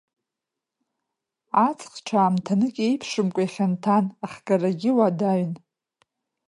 Аҵх, ҽаамҭанык еиԥшымкәа, ихьанҭан, ахгарагьы уадаҩын.